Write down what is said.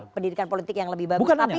pendidikan politik yang lebih bagus